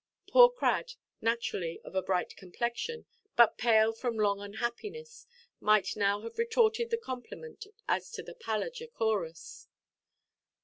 Poor Crad, naturally of a bright complexion, but pale from long unhappiness, might now have retorted the compliment as to the "pallor jecoris."